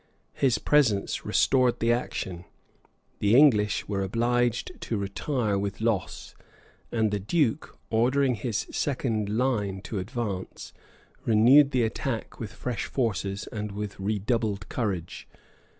His presence restored the action; the English were obliged to retire with loss; and the duke, ordering his second line to advance, renewed the attack with fresh forces and with redoubled courage.